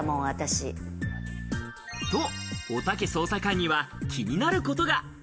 と、おたけ捜査官には気になることが。